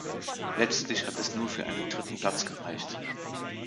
Letztlich hat es nur für einen dritten Platz gereicht.